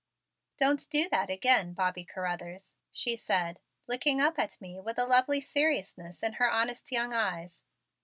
"Don't do that again, Bobby Carruthers," she said, looking up at me with a lovely seriousness in her honest young eyes.